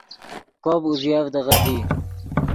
کوپ اوزیڤدغت ڤی